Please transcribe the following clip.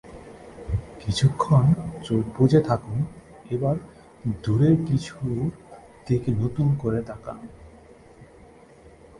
কিছুক্ষণ চোখ বুঁজে থাকুন, এবার দূরের কিছুর দিকে নতুন করে তাকান।